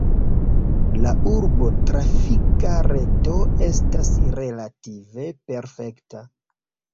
La urba trafika reto estas relative perfekta.